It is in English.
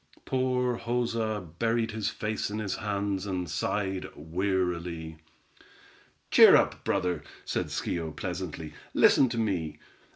Poor Joza buried his face in his hands and sighed wearily. "Cheer up, brother," said Schio, pleasantly. "Listen to me.